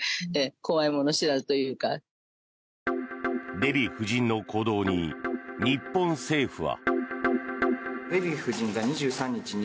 デヴィ夫人の行動に日本政府は。